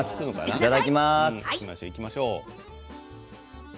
いただきます。